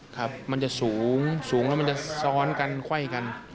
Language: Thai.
ครับมันจะสูงสูงแล้วมันจะซ้อนกันไขว้กัน